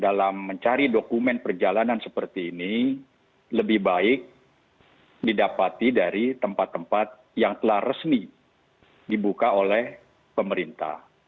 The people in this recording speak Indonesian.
dalam mencari dokumen perjalanan seperti ini lebih baik didapati dari tempat tempat yang telah resmi dibuka oleh pemerintah